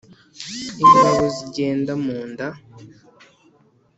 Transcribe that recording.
ingabo zigenda mu nda